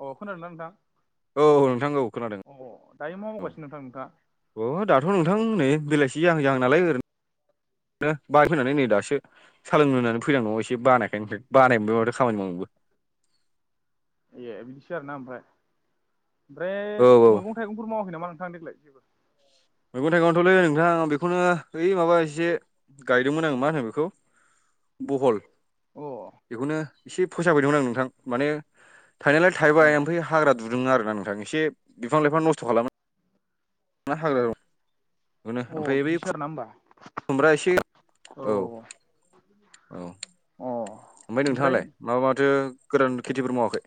अ खोनादोंना नोंथां औ-औ नोंथांखौ खोनादों। अ दायो मा मावगासिनो नोंथां, नोंथाङा? अ' दाथ' नोंथां नै बेलाइसि जाहां-जाहां नालाय ओरैनो ओ बाय फैनानै नै दासो सालोंनो होननानै [unintelligible] एसे बानायखाय फ्राय बानाय माथो खामानि मावनोबो। ए बिदिसो आरो ना ओमफ्राय। औ ओमफ्राय औ मैगं थाइगंफोर मावाखै नामा नोंथां देग्लाय जेबो? मैगं-थाइगंथ'लै नोंथां बेखौनो ओइ माबा एसे गायदोंमोन। आं मा होनो बेखौ बहल अ बेखौनो एसे फोसाब हैदोंमोन आं नोंथां। माने, थायनायलाय ए थायबाय ओमफ्राय हाग्रा फुदोंमोन आरो ना नोंथां। एसे बिफां लाइफां नस्थ' खालामो। [unintelligible] बेखौनो अ ओमफ्राय बै बिदिसो आरोना होमबा खुमब्रा एसे औ। औ औ अ ओमफ्राय ओमफ्राय नोंथाङालाय माबा माथो गोदान खेथिफोर मावाखै?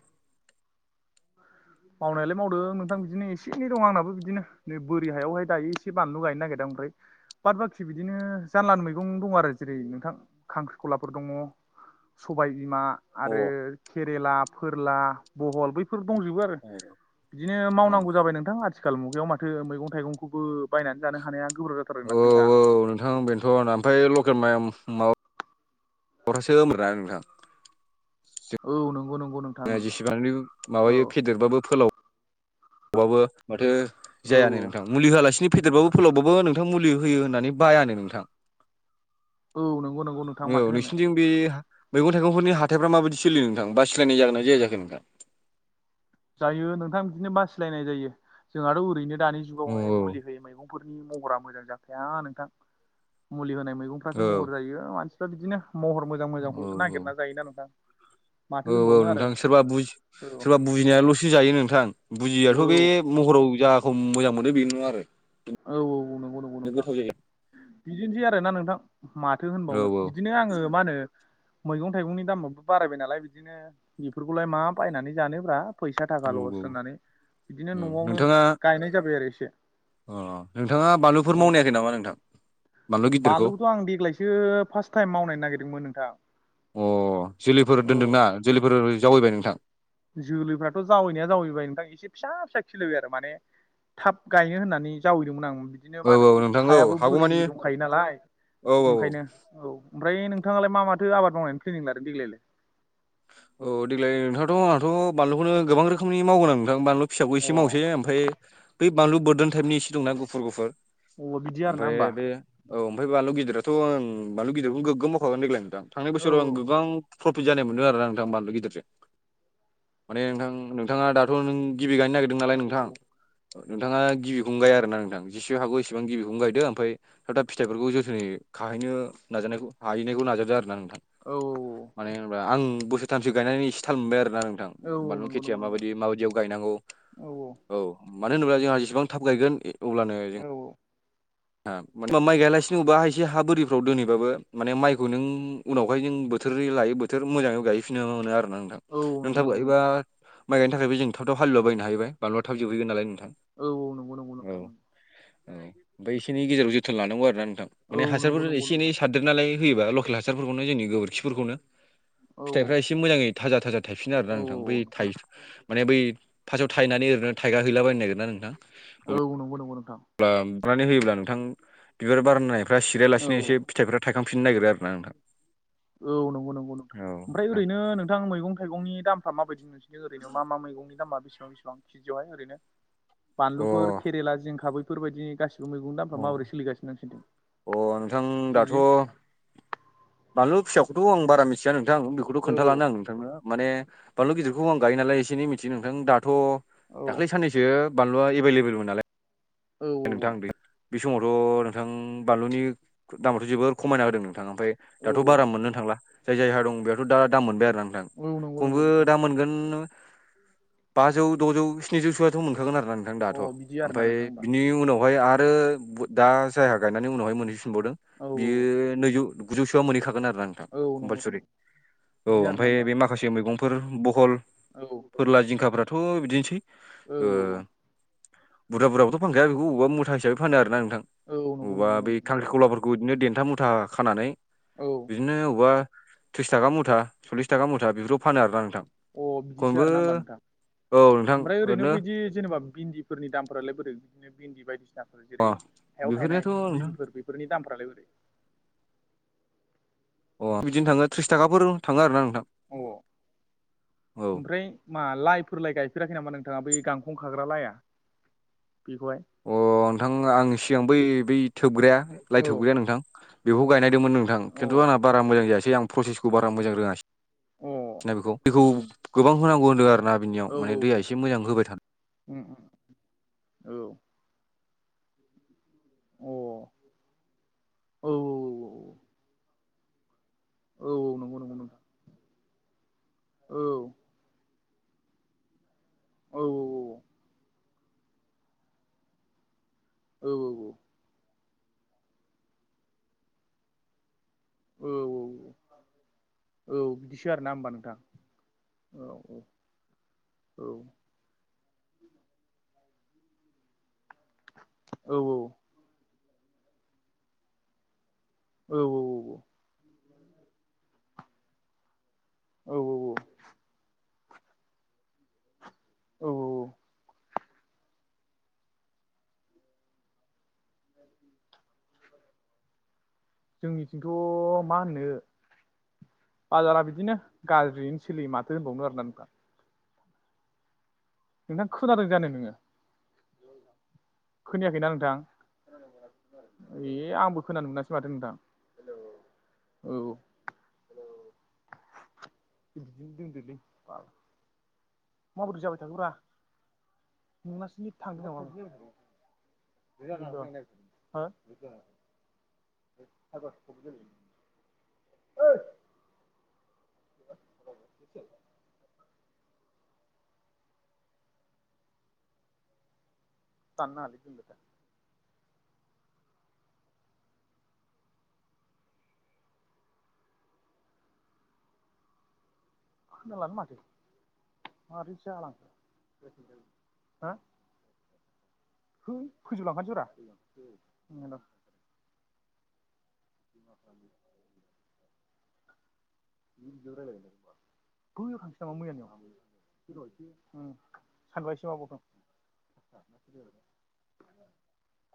[unintelligible] मावनायालाय मावदों नोंथां बिदिनो एसे एनै आंनाबो बिदिनो नै बोरि हायावहाय दायो एसे बानलु गायनो नागिरदों ओमफ्राय। बाद बाखि बिदिनो जानला मैगं दं आरो जेरै- नोंथां खांख्रिखलाफोर दङ। सबाय बिमा, अ आरो केरेला, फोरला, बहल, बैफोर दंजोबो आरो, बिदिनो अ मावनांगौ जाबाय नोंथा आ आथिखाल मुगायाव माथो मैगं थाइगंखौबो बायनानै जानो हानाया गोब्राब जाथार औ औ नोंथां बेथ' [unintelligible] ओमफाय लकेल माइ माबा [unintelligible] [unintelligible] ना नोंथां औ नंगौ नंगौ नंगौ। जेसेबां माबायो फेदेरबाबो फोलाव बाबो माथो औ जायानो औ नोंथां‌ मुलि होआलासिनो फेदेरबाबो फोलावबाबो नोंथां मुलि होयो होननानै बायानो नोंथां। औ नंगौ नंगौ नोंथां माथो औ होनो। नोंसिनिथिं बे मैगं थाइगंफोरनि हाथायफ्रा माबायदि सोलि नोंथां। बा सिलायनाय जागोन ना जाया नोंथां? जायो नोंथां बिदिनो मासिलायनाय जायो। जोंहाथ' ओरैनो दानि औ जुगावहाय मुलि होयो मैगं फोरनि महरा मोजां जाखाया नोंथां मुलि होनाय मैगंफ्रासो औ महर जायो मानसि बिदिनो महर मोजां औ मोजांखौल'सो नागिरना औ जायोना नोंथां। माथो औ औ होनबावनो आरो नोंथां सोरबा बुजि औ सोरबा बुजिनायाल'सो जायो नोंथां। औ बुजियाथ' बे महराव जाखौ मोजां मोनो बे नो आरो। औ औ नंगौ नंगौ नोंथां। गोथाव जायो बिदिनोसै आरो ना नोंथां। माथो औ होनबावनो बिदिनो आङो मा होनो मैगं थाइगंनि दामाबो बारायबाय नालाय बिदिनो बेफोरखौलाय मा बायनानै जानोब्रा फैसा औ थाखा औ लस होनानै बिदिनो औ न'आवनो नोंथाङा गायनाय जाबाय आरो एसे। अ नोंथाङा बानलुफोर औ मावनायाखै नामा नोंथां? बानलु गिदिरखौ बानलुखौथ' आं देग्लायसो फार्स्ट टाइम मावनायनो नागिरदोंमोन नोंथां। अ जोलैफोर औ दोन्दोंना जोलैफोर जावैबाय नोंथां? जोलैफ्राथ' जावैनाया जावैबाय नोंथां एसे फिसा फिसा खिलिबाय आरो माने थाब गायनो होननानै जावैदोंमोन आं बिदिनो औ मा औ होनो नोंथां औ हायाबो बोरि हागौमानि दंखायो नालाय औ औ ओंखायनो। औ ओमफ्राय नोंथाङालाय मा माथो आबाद मावनायनि फ्लेनिं लादों देग्लायलाय? औ देग्लाय नोंथ' आंनाथ' बानलुखौनो गोबां रोखोमनि मावगोन आं नोंथां बानलु फिसाखौ अ एसे मावसै ओमफ्राय बै बानलु बोरदोन टाइपनि एसे दंना गुफुर गुफुर अ बिदि आरोना ओमफ्राय होमबा बेयो औ ओमफ्राय बानलु गिदिराथ' आं बानलु गिदिरखौनो गोगोम मावखागोन देग्लाय नोंथां। थांनाय औ बोसोराव आं गोबां प्रफिट जानाय मोनो आरो ना आं बानलु गिदिरजों माने नोंथां नोंथाङा दाथ' नों गिबि गायनो नागिर नालाय औ नोंथां नोंथाङा गिबिखौनो गाय आरो ना नोंथां जेसेब हागौ एसेबां गिबिखौनो गायदों ओमफ्राय दा फिथाइफोरखौ जोथोनै खाहैनो नाजानायखौ हाहैनायखौ नाजादों आरोना नोंथां। औ औ मानो होनबा आं बोसोरथामसो गायनानै इसे थाल मोनबाय आरोना नोंथां। औ औ बानलु नंगौ नंगौ खेथिया नोंथां माबायदि माबायदियाव गायनांगौ। औ मानो होनोब्ला जोंहा जेसेबां थाब गायगोन अब्लानो औ थां माइ गाया लासिनो अबेबा हा एसे हा बोरि फ्राव दोनैबाबो माने माइखौ नों उनावहाय नों बोथोरै लायो बोथोर मोजाङै गायैफिनो मोनो आरो ना नोंथां। औ नों नंगौ थांब नंगौ गायोबा नोंथां माइ गायनो थाखायबो जों थाबथाब हालुवलाबायनो हायैबाय बानलुआ थाब जोबहैगोन नालाय नोंथां। औ औ नंगौ नंगौ औ नोंथां ओं। औ एसे एनै गेजेराव जोथोन लानांगौ आरो ना नोंथां औ माने नंगौ हासारफोर नंगौ एसे एनै नोंथां सार रदेरनालाय होयोबा लकेल हासारफोरखौनो जोंनि गोबोरखिफोरखौनो औ फिथाइफ्रा एसे एसे मोजाङै थाजा थाजा थाइफिनो आरो ना औ नोंथां बै औ था माने बै फास्तआव थायनानै ओरोयनो थायगा हैलाबायनो नागिरोना नोंथां औ नंगौ नंगौ नोंथां। अब्ला [inaudible] नै होयोब्ला नोंथां बिबार बारनायफ्रा औ सिरायालासिनो एसे फिथायफोरा थायखांफिननो नागिरो आरोना नोंथां। औ नंगौ नंगौ नंगौ औ ओमफ्राय नोंथां। ओरैनो नोंथां मैगं थाइगंनि दामफ्रा माबायदि नोंसोर निथिं ओरैनो मा मा मैगंनि दामा बेसेबां बेसेबां केजियावहाय ओरैनो अ बानलुफोर केरेला जिंखाबै बेफोरबायदिनि गासिबो मैगं दामफ्रा अ माबोरै सोलिगासिनो नोंसिनिथिं? अ नोंथां केजि दाथ' बानलु फिसाखौथ' आं बारा मिथिया नोंथांं बेखौथ' औ खोनथाानो आं नोंथांनो माने बानलु गिदिरखौ आं गायो नालाय एसे एै मिथियो नोंथां दाथ' औ दाख्लै साननैसो बानलुआ एभैलेबलमोन नालाय औ नोंथां बे-बे समावथ' नोंथां बानलुनि दामावथ' जोबोर खमायना होदों नोंथाङा। ओमफफ्राय औ दाथ' बारा मोननो थांला जाय जायहा दं बेथ' दा दाम मोनबाय आरो न औ नंगौ खनबो नंगौ नोंथां दा मोनगोन बाजौ द'जौ स्निजौसोआथ' मोनखागोन आरो ना नोंथां अ दाथ'। बिदि आरोना ओमफ्राय नोंथां होमबा बिनि उनावहाय आरो दा जायहाा गायनानै उनावहाय मोनहैफिनबावदों औ औ बियो नैजौ गुजौसोआ मोनहैखागोन आरोना नोंथां औ औ नंगौ कम्पालसुरि। नंगौ औ बिदि आरोना मफ्राय होमबा बे म माखासे मैगंफोर बहल औ खेरेला जिंखाफथ' बिदिनोसै औ बुरजा बुरजाबोथ' फानखाया बेखौ ओबावबा मुथा हिसाबै फानो आरो ना नोंथां। औ औ नंगौ बबेावबा नंगौ बै नंगौ खांख्रि खलाफोरखौ [unintelligible] बिदिनो देन्था मुथा खानानै। औ। बिदिनो अओबावबा त्रिस थाखा मुथा सल्लिस थाखा मुथा बेफोराव फानो आरोना नोंथां। अ' बिदिसो खमबो आर ना होनबा नोंथां। औ नोंथां ओमफ्राय ओरैनो बिदि जेनेबा भन्दिफोरनि दामफ्रालाय बोरै बिदिनो भन्दि बायदिसिना फिसाफोर अ जेरै हायाव थायनाय बेफोरनियाथ' नोंथां बिनफोर बेफोरनि दामफ्रालाय बोरै, अ' बिदिनो थाङो थ्रिस थाखाफोर थाङो आरो ना नोंथां। औ औ ओमफ्राय। मा लाइफोरलइ गायफेराखै नामा नोंथाङा बै गांखं खाग्रा लाइआ बेखौहाय। अ' नोंथां आं सिगां बै बै थोबग्राया लाइ औ थोबग्राया नोंथां। बेखौ गायनायदोंमोन नोंथां। खिन्थु आं अ बारा मोजां जायासै प्रसेसखौ मोजां रोङासै। अ औ बेखौ दैखौ गोबां होनांगौ होनदों आरो ना बिनियाव औ माने दैया औ एसे मोजां होबाय थादों औ। अ औ। औ नंगौ नंगौ। औ। औ औ औ। औ औ औ। औ औ। औ बिदिसो आर ना होनोमबा नोंथां। औ औ। औ। औ औ। औ औ औ। औ औ औ औ। [unintelligible] जोंनिथिंथ' मा होननो, बाजारा बिदिनो गाज्रियैनो सोलियो माथो होनबावनो आरोना नोंथां। नोंथां खुोनादों जानो नोङो? खोनायाखैना नोंथां। ए आंबो खोनानो मोनासै माथो नोंथां। औ, [unintelligible] [unintelligible] [unintelligible] [unintelligible] माबोरै जाबाय थाखोरा नोंनासोनि थांदों नामा [unintelligible] [unintelligible] [inaudible] [inaudible] [unintelligible] [unintelligible] खोनालानो माथो माथो [unintelligible] [unintelligible] है फोजोब लांखासै रा। हेल' [unintelligible] बैयाव थांनोसै नामा मैयानियाव सानबायासो [unintelligible] [unintelligible] [inaudible]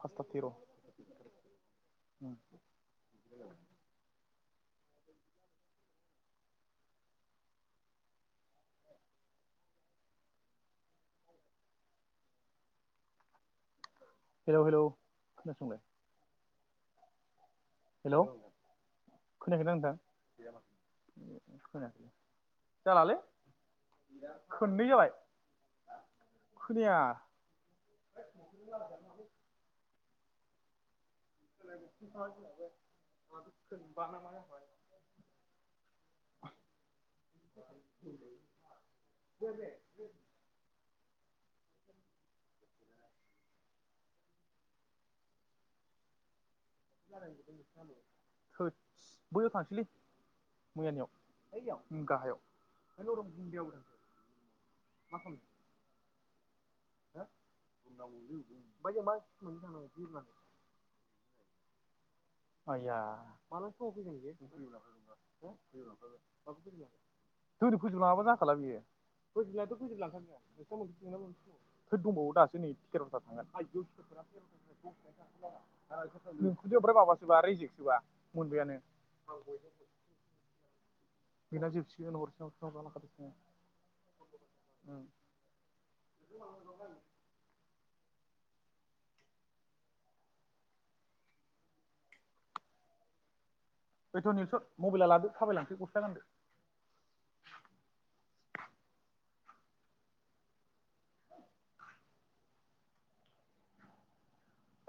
पासता थिर'। [unintelligible] हेल' हेलौ खोनासंलाय। हेल' खोनायाखैना नोंथां। खोनाखै जालालै। खोननै जाबाय खोनाया। [unintelligible] [unintelligible] [unintelligible] [unintelligible] थोद्स बैयाव थांसैलै मैयानियाव [unintelligible] ओम गाहायाव [unintelligible] [unintelligible] [unintelligible] [unintelligible] दोनै फोजोबलाङाबानो जाखाला बियो फोजोबनायाथ' फोजोबलांखागोन [unintelligible] थोद दंबावो दासो नै थेर'था थांगोन [unintelligible] [unintelligible] ओमफ्राय माबासो बा रेजेकसोबा मोनबायानो [unintelligible] बेना जोबसिगोन हरस्रा हरसेर लाखादोसो नोङो [unintelligible] [unintelligible] फैथ' नेथ' मबाइला लादो थाबायलांसै गस्ला गानदो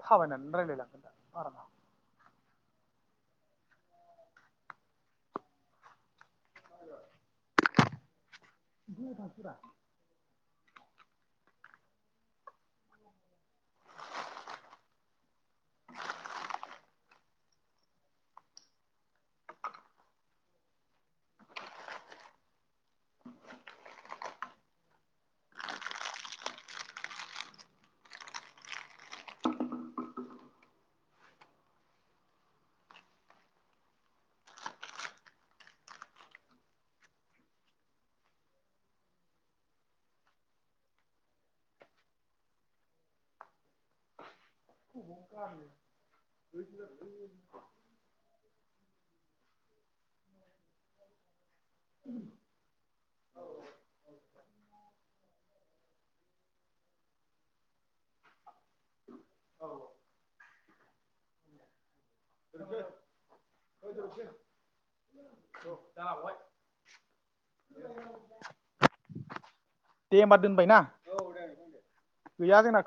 थाबायनानै रायजलायलांगोन ना बाराबा [unintelligible] बिदिनो [unintelligible] [unintelligible] [unintelligible] [unintelligible] [unintelligible] औ [unintelligible] [unintelligible] थौ दा आवगाय दे होमबा दोनबाय ना [unintelligible] गैया जोंना